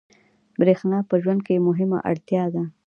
برېښنا په ژوند کې مهمه اړتیا ده.